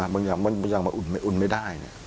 บางอย่างบางอย่างอุ่นไม่ได้